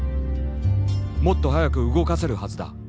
「もっと速く動かせるはずだ。